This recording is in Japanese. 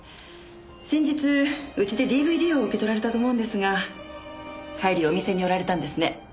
先日うちでＤＶＤを受け取られたと思うんですが帰りお店に寄られたんですね。